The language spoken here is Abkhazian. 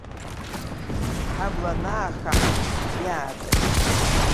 Ҳабла анаахаҳт иаабаз.